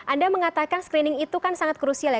anda mengatakan screening itu kan sangat krusial ya